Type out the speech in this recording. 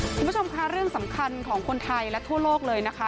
คุณผู้ชมค่ะเรื่องสำคัญของคนไทยและทั่วโลกเลยนะคะ